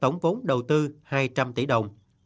tổng vốn đầu tư hai trăm linh tỷ đồng